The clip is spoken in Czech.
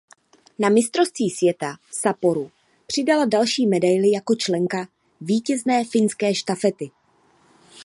Na mistrovství světa v Sapporu přidala další medaili jako členka vítězné finské štafety.